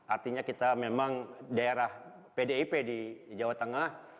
artinya kita memang daerah pdip di jawa tengah